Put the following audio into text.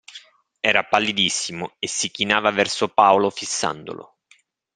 Era pallidissimo e si chinava verso Paolo, fissandolo.